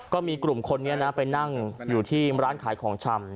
ก็มีกลุ่มคนนี้นะไปนั่งอยู่ที่ร้านขายของชำ